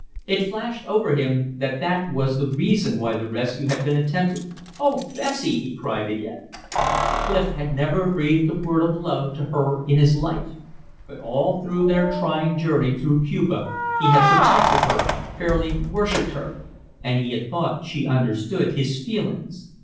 It flashed over him that that was the reason why the rescue had been attempted. "Oh, Bessie!" he cried again. Clif had never breathed a word of love to her in his life. But all through their trying journey through Cuba he had protected her, fairly worshiped her. And he had thought she understood his feelings.